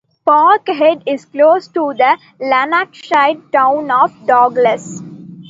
Parkhead is close to the Lanarkshire town of Douglas.